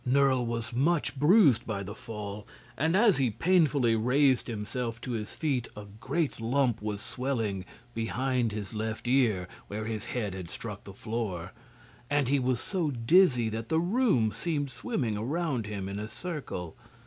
Nerle was much bruised by the fall, and as he painfully raised himself to his feet a great lump was swelling behind his left ear, where his head had struck the floor, and he was so dizzy that the room seemed swimming around him in a circle.